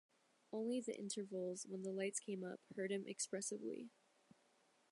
Only the intervals, when the lights came up, hurt him expressibly.